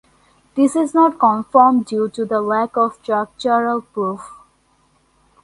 This not conformed due to the lack of structural proof.